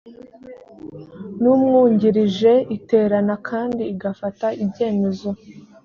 n umwungirije iterana kandi igafata ibyemezo